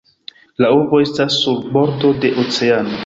La urbo estas sur bordo de oceano.